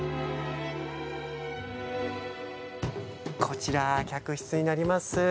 こちら客室になります。